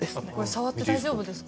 触って大丈夫ですか？